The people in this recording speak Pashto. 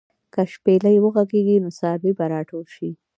که شپېلۍ وغږېږي، نو څاروي به راټول شي.